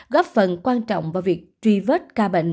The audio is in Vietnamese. góp phần quan trọng vào việc truy vết ca bệnh